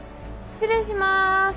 失礼します。